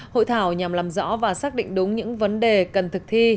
hội thảo nhằm làm rõ và xác định đúng những vấn đề cần thực thi